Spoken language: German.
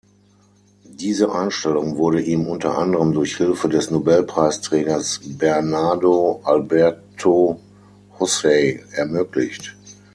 Diese Einstellung wurde ihm unter anderen durch Hilfe des Nobelpreisträgers Bernardo Alberto Houssay ermöglicht.